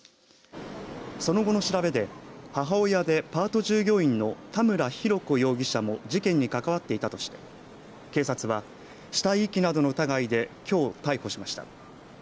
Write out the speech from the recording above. その後の調べで母親でパート従業員の田村浩子容疑者も事件に関わっていたとして警察は死体遺棄などの疑いできょう逮捕しました。